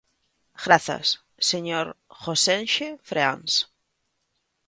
Grazas, señor Gosenxe Freáns.